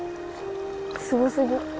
すごすぎ。